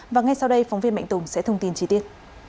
và ngay sau đây phóng viên mạnh tùng sẽ thông tin chi tiết